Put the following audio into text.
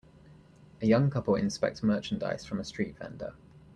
A young couple inspect merchandise from a street vendor.